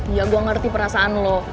ya gue ngerti perasaan lo